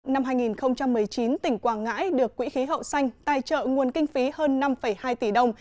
năm hai nghìn một mươi chín tỉnh quảng ngãi được quỹ khí hậu xanh tài trợ nguồn kinh phí hơn năm hai tỷ đồng